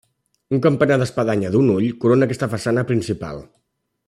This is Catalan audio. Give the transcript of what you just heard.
Un campanar d'espadanya d'un ull corona aquesta façana principal.